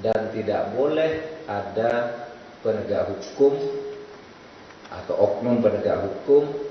dan tidak boleh ada penegak hukum atau oknum penegak hukum